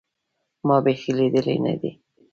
ما بيخي ليدلى نه دى.